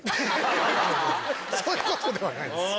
そういうことではないです。